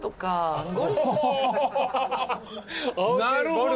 なるほど。